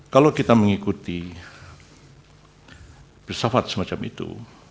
kalau kita mengikuti filsafat semacam itu